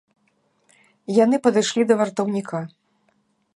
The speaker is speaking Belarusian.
Яны падышлі да вартаўніка.